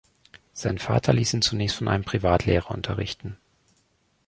Sein Vater ließ ihn zunächst von einem Privatlehrer unterrichten.